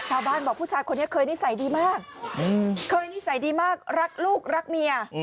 ชาวบ้านบอกผู้ชายคนนี้เคยนิสัยดีมากเคยนิสัยดีมากรักลูกรักเมีย